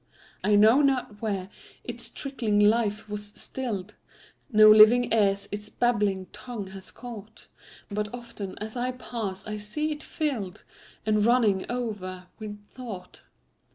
I know not where its trickling life was still'd; No living ears its babbling tongue has caught; But often, as I pass, I see it fill'dAnd running o'er with thought.